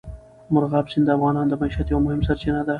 مورغاب سیند د افغانانو د معیشت یوه مهمه سرچینه ده.